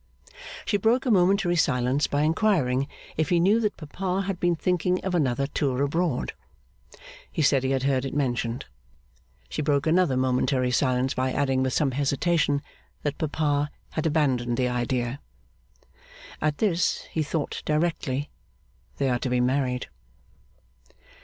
She broke a momentary silence by inquiring if he knew that papa had been thinking of another tour abroad? He said he had heard it mentioned. She broke another momentary silence by adding, with some hesitation, that papa had abandoned the idea. At this, he thought directly, 'they are to be married.